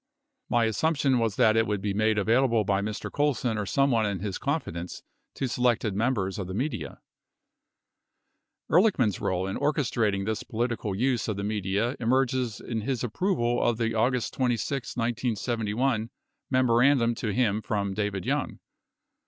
123 My assumption was that it would be made available by Mr. Colson or someone in his confidence to selected members of the media. 16 Ehrlichman's role in orchestrating this political use of the media emerges in his approval of the August 26, 1971, memorandum to him from David Young.